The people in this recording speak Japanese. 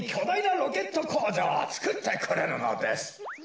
ロケットこうじょうをつくってくれるのです。